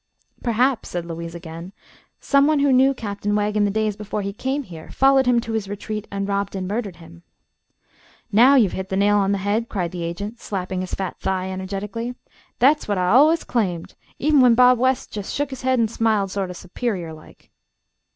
"Perhaps," said Louise, again, "someone who knew Captain Wegg in the days before he came here followed him to his retreat and robbed and murdered him." "Now ye've hit the nail on the head!" cried the agent, slapping his fat thigh energetically. "Thet's what I allus claimed, even when Bob West jest shook his head an' smiled sort o' superior like."